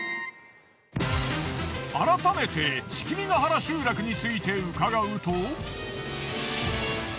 改めて樒原集落について伺うと。